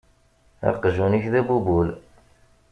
Aqjun-ik d abubul.